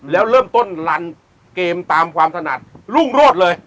แล้วเริ่มต้นลันเกมตามความถนัดรุ่งโรดเลย